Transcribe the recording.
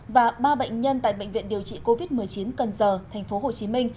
và ba bệnh nhân tại bệnh viện điều trị covid một mươi chín cần giờ tp hcm